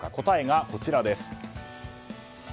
答えはこちらです。